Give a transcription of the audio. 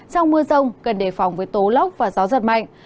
trong mưa rông cần đề phòng với tố lốc và gió giật mạnh